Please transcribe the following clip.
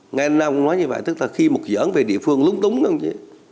ngày hôm nay ông nói như vậy tức là khi một giỡn về địa phương lúng túng không chứ